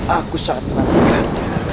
aku sangat mengagetkan